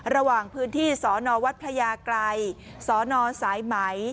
ระหว่างพื้นที่สวทไกรสสไม